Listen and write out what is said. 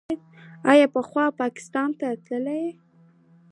آیا پخوا پاکستان ته تلل؟